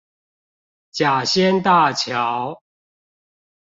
甲仙大橋